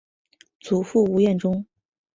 祖父吴彦忠。